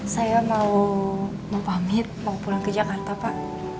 saya mau pamit mau pulang ke jakarta pak